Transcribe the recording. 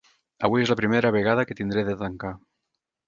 Avui és la primera vegada que tindré de tancar